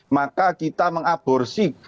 maka kita mengaborsi